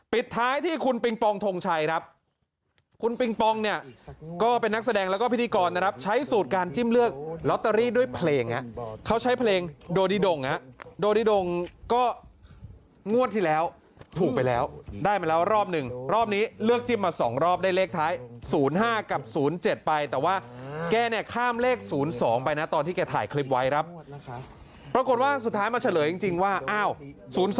ปิดท้ายที่คุณปิงปองทงชัยครับคุณปิงปองเนี่ยก็เป็นนักแสดงแล้วก็พิธีกรนะครับใช้สูตรการจิ้มเลือกลอตเตอรี่ด้วยเพลงฮะเขาใช้เพลงโดดิดงฮะโดดิดงก็งวดที่แล้วถูกไปแล้วได้มาแล้วรอบหนึ่งรอบนี้เลือกจิ้มมา๒รอบได้เลขท้าย๐๕กับ๐๗ไปแต่ว่าแกเนี่ยข้ามเลข๐๒ไปนะตอนที่แกถ่ายคลิปไว้ครับปรากฏว่าสุดท้ายมาเฉลยจริงว่าอ้าว๐๒